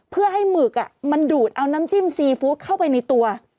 เพื่อให้หมึกมันดูดเอาน้ำจิ้มซีฟู้ดเข้าไปในตัว